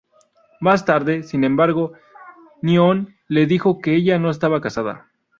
Más tarde, sin embargo, Nyon le dijo que ella no estaba casada.